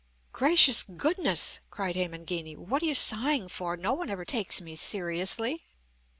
"Gracious goodness," cried Hemangini, "what are you sighing for? No one ever takes me seriously."